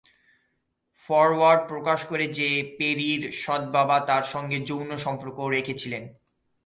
Forward প্রকাশ করে যে, পেরির সৎবাবা তার সঙ্গে যৌন সম্পর্ক করেছিলেন।